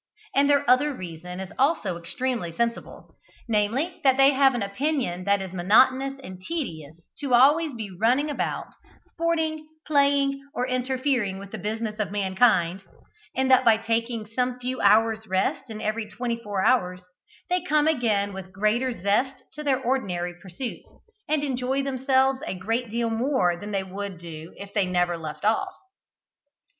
And their other reason is also extremely sensible, namely, that they have an opinion that it is monotonous and tedious to be always running about, sporting, playing, or interfering with the business of mankind, and that by taking some few hours' rest in every twenty four hours, they come again with greater zest to their ordinary pursuits, and enjoy themselves a great deal more than they would do if they never left off.